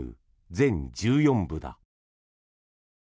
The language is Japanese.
全１４部だ。